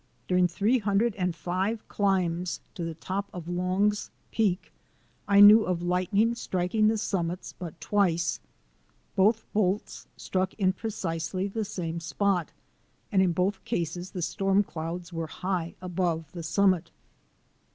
Dur ing three hundred and five climbs to the top of Long's Peak I knew of lightning striking the sum mit but twice. Both bolts struck in precisely the same spot, and in both cases the storm clouds were high above the summit.